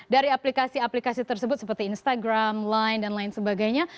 dari aplikasi aplikasi tersebut seperti instagram line dan lain sebagainya